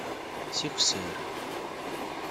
Sikser.